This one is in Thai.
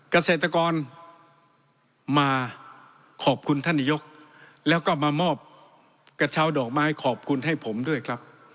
เกษตรกรมาขอบคุณท่านนายกแล้วก็มามอบกระเช้าดอกไม้ขอบคุณให้ผมด้วยครับ